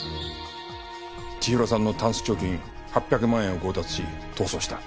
千尋さんのタンス貯金８００万円を強奪し逃走した。